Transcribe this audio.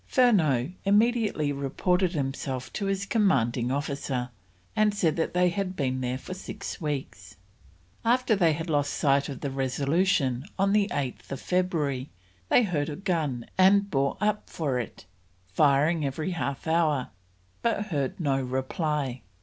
Furneaux immediately reported himself to his commanding officer, and said they had been there for six weeks. After they had lost sight of the Resolution on 8th February, they heard a gun and bore up for it, firing every half hour, but heard no reply.